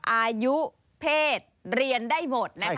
อายุเพศเตรียนได้หมด